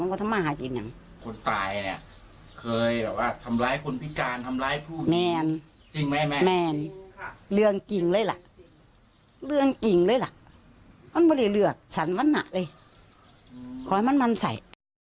ขอให้มันมันใส่